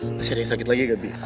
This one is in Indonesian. nggak sih ada yang sakit lagi gabi